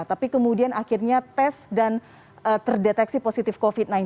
tapi kemudian akhirnya tes dan terdeteksi positif covid sembilan belas